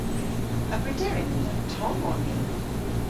A brederyn ni? Tomm on ni!